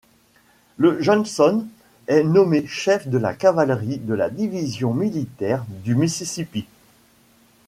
Le Johnson est nommé chef de la cavalerie de la division militaire du Mississippi.